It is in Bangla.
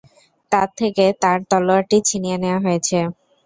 তার থেকে তার তলোয়ারটি ছিনিয়ে নেয়া হয়েছে।